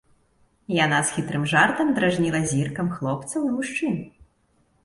Яна з хітрым жартам дражніла зіркам хлопцаў і мужчын.